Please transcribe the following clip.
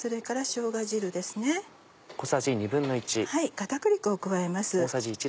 片栗粉を加えます。